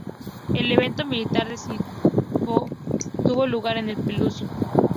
El evento militar decisivo tuvo lugar en Pelusio.